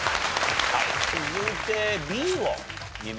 続いてＢを見ましょうか。